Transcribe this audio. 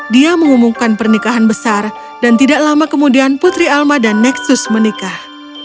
dia mengumumkan pernikahan besar dan tidak lama kemudian putri alma dan nexus menikah